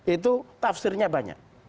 itu tafsirnya banyak